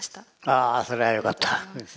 あそれはよかった。